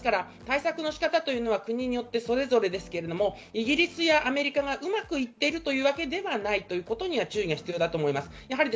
対策の仕方というのは国によってそれぞれですが、イギリスやアメリカがうまくいっているというわけではないということに注意が必要です。